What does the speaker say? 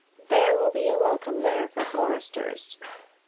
There will be a welcome there for foresters."